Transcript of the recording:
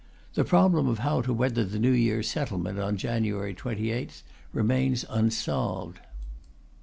The problem of how to weather the new year settlement on January 28th remains unsolved.